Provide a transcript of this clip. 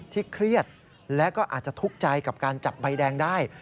เครียดและก็อาจจะทุกข์ใจกับการจับใบแดงได้